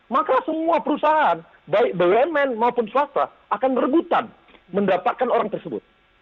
maka semua perusahaan baik bumn maupun swasta akan rebutan mendapatkan orang tersebut